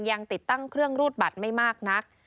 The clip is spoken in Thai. ยังติดตั้งเครื่องรูดบัตรไม่มากนัก